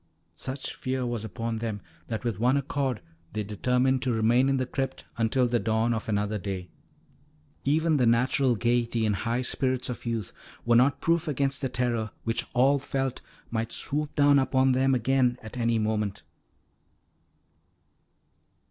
Such fear was upon them that with one accord they determined to remain in the crypt until the dawn of another day. Even the natural gaiety and high spirits of youth were not proof against the terror which all felt might swoop down upon them again at any moment.